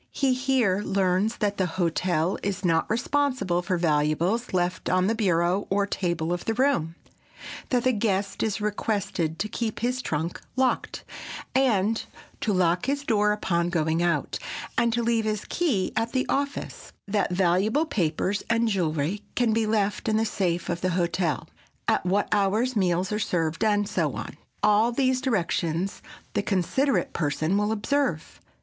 He here learns that the hotel is not responsible for valuables left on the bureau or table of the room, that the guest is requested to keep his trunk locked, and to lock his door upon going out, and to leave his key at the office; that valuable papers and jewelry can be left in the safe of the hotel; at what hours meals are served and so on. All these directions the considerate person will observe.